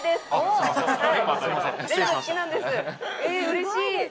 うれしい！